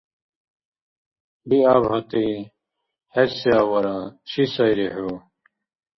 Биаб гьатӀи! ХӀед се авара? Чи сайри хӀу?!